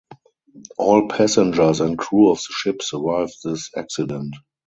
All passengers and crew of the ship survived this accident.